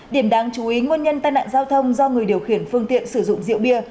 điểm đáng chú ý nguồn nhân tai nạn giao thông do người điều khiển phương tiện sử dụng rượu bia